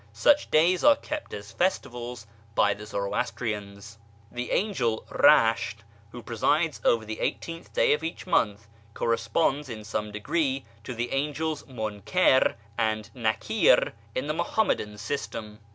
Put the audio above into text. Such days are kept as festivals by the Zoroastrians. The angel Eashn, who presides over the eighteenth day of each month, corresponds, in some degree, to the angels Munkir and Nakir in the Muhammadan system.